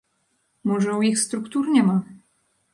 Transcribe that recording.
Можа, у іх структур няма?